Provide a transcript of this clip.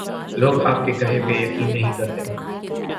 لو گ آپ کے کہے پہ یقین نہیں کرتے۔